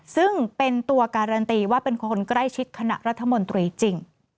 ซึ่งเป็นตัวการันตีว่าเป็นคนใกล้ชิดคณะรัฐมนตรีจริง